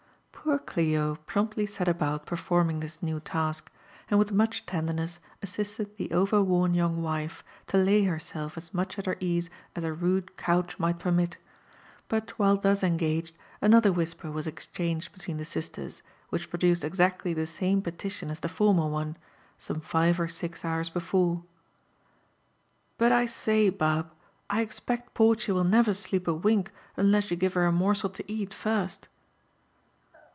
Poor Clio promptly set abont performing this new* task, and iritb tnuch tenderness assisted the oter worn young wife to lay herself a9 mach at her ease as her rnde eonch ihlghtf permit : but while ttiu9 en gaged, another Mrhisper waff exchanged between flie sisters, i^hieK produced exactly the sam6 p^Cifibn as the fofmer one, 9t>ihe fite or sii' hours before. •* But I say. Bob, — I cxpedf Forthy ^31 neyier sleep a wink iftiless you give her a morslel to eat first."